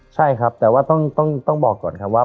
ใช่ครับแต่ว่าต้องบอกก่อนครับว่า